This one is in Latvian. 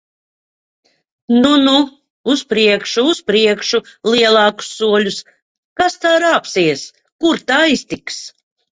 Nu, nu! Uz priekšu! Uz priekšu! Lielākus soļus! Kas tā rāpsies! Kur ta aiztiks!